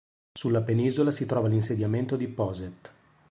Sulla penisola si trova l'insediamento di Pos'et.